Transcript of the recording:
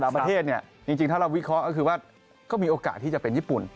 ถ้าเราวิเคราะห์ก็คือว่าก็มีโอกาสที่จะเป็นญี่ปุ่น